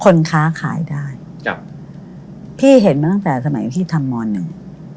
ค้าขายได้ครับพี่เห็นมาตั้งแต่สมัยพี่ทำมหนึ่ง